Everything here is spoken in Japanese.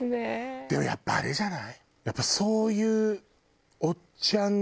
でもやっぱあれじゃない？